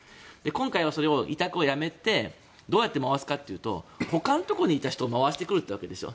今回はそれを委託をやめてどうやって回すかというとほかのところにいた人を回してくるということでしょ。